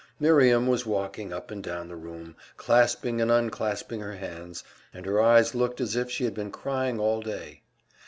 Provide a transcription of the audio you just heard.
Miriam was walking up and down the room, clasping and unclasping her hands, and her eyes looked as if she had been crying all day.